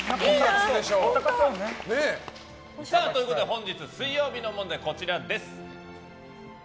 本日水曜日の問題はこちらです。